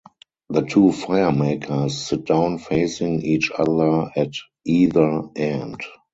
The two fire-makers sit down facing each other at either end.